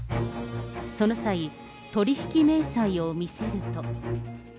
その際、取り引き明細を見せると。